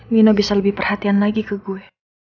nina bisa lebih perhatian lagi ke gue